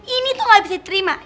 ini tuh gak bisa diterima